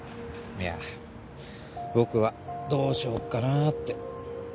いや僕はどうしようかなって。